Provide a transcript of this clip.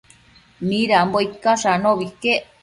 Nidambo icash anobi iquec